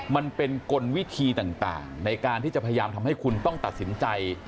มันเป็นกลวิธีต่างในการที่จะพยายามทำให้คุณต้องตัดสินใจ